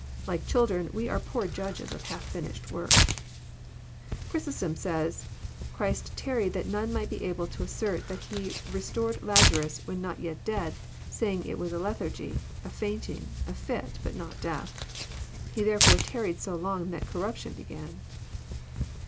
Like children, we are poor Judges or lialf flnislied work Chrysostom says: '< Christ tarried that none might be able to assert that He restored Lazaras when not yet dead, saying it was a lethargy, a fainting, a fit, but not death. He therefore tarried so long that corruption began."